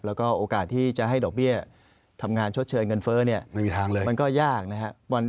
แล้วก็โอกาสที่จะให้ดอกเบี้ยทำงานชดเชยเงินเฟ้อเนี่ยไม่มีทางเลยมันก็ยากนะครับ